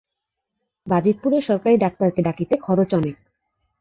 বাজিতপুরের সরকারি ডাক্তারকে ডাকিতে খরচ অনেক।